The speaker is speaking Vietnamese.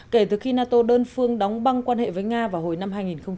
kể từ khi nato đơn phương đóng băng quan hệ với nga vào hồi năm hai nghìn một mươi